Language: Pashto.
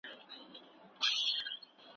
کوربه هیواد صادراتي توکي نه منع کوي.